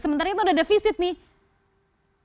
sementara itu udah defisit nih